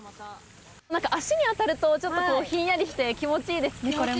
足に当たるとちょっとひんやりして気持ちいいですね。